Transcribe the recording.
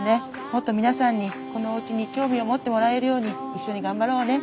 もっと皆さんにこのおうちに興味を持ってもらえるように一緒に頑張ろうね。